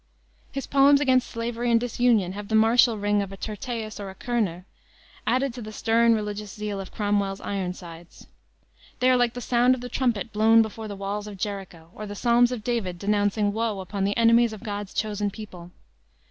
His poems against slavery and disunion have the martial ring of a Tyrtaeus or a Körner, added to the stern religious zeal of Cromwell's Ironsides. They are like the sound of the trumpet blown before the walls of Jericho, or the Psalms of David denouncing woe upon the enemies of God's chosen people.